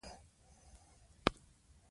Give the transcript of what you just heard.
ملالۍ د خپلو خلکو غیرت راویښ کړ.